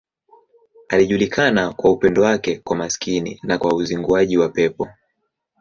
Alijulikana kwa upendo wake kwa maskini na kwa uzinguaji wa pepo.